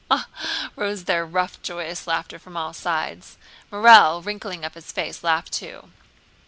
Ha, ha, ha!" rose their rough, joyous laughter from all sides. Morel, wrinkling up his face, laughed too.